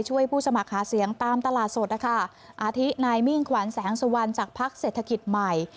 ช่วยผู้สมัครหาเสียงตามตลาดสดค่ะอาทินายมิ่งขวานแสงสวรรค์จากภักดิ์เศรษฐกิจใหม่